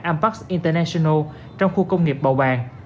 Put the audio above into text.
ampax international trong khu công nghiệp bầu bàng